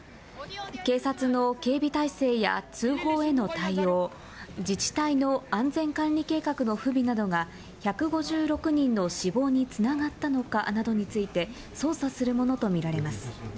警察の警備態勢や通報への対応、自治体の安全管理計画の不備などが、１５６人の死亡につながったのかなどについて、捜査するものと見られます。